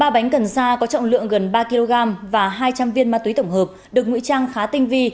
ba bánh cần sa có trọng lượng gần ba kg và hai trăm linh viên ma túy tổng hợp được nguy trang khá tinh vi